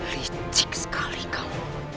licik sekali kau